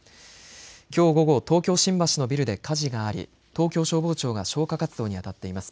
きょう午後東京、新橋のビルで火事があり東京消防庁が消火活動に当たっています。